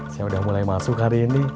saya udah mulai masuk hari ini